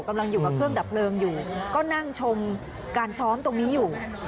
กำลังอยู่กับเครื่องดับเพลิงอยู่ก็นั่งชมการซ้อมตรงนี้อยู่